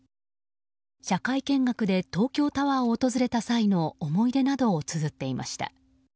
社会見学で東京タワーを訪れた際の思い出などをつづっていました。